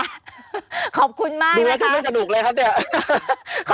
ท่านไหนตั้มหวังว่าจะเที่ยวในช่วงวันที่เหลือได้สนุกนะครับ